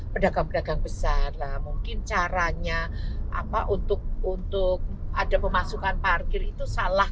pedagang pedagang besar lah mungkin caranya apa untuk untuk ada pemasukan parkir itu salah